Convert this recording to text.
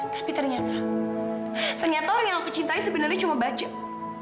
tapi ternyata ternyata orang yang aku cintai sebenarnya cuma bajang